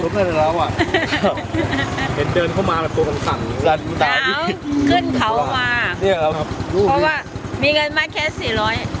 เพราะว่ามีเงินมาแค่๔๐๐แต่ก็มาแค่นี้